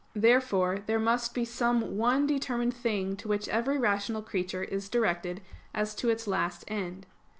Therefore there must be some one determined thing to which every rational creature is directed as to its last end.